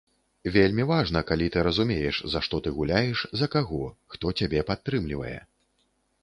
Вельмі важна, калі ты разумееш, за што ты гуляеш, за каго, хто цябе падтрымлівае.